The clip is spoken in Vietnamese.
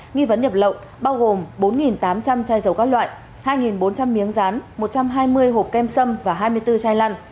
nghi vấn nhập lậu bao gồm bốn tám trăm linh chai dầu các loại hai bốn trăm linh miếng rán một trăm hai mươi hộp kem sâm và hai mươi bốn chai lăn